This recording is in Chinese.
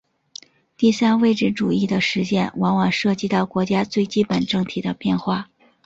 第三位置主义的实践往往涉及到国家最基本政体的变化。